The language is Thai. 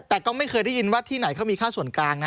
แต่ก็ไม่เคยได้ยินว่าที่ไหนเขามีค่าส่วนกลางนะ